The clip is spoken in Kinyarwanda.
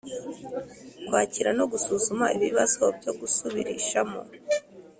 Kwakira no gusuzuma ibibazo byo gusubirishamo